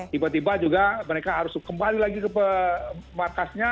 tiba tiba juga mereka harus kembali lagi ke markasnya